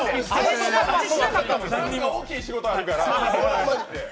大きい仕事あるから。